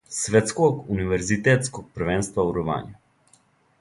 Светског универзитетског првенства у рвању.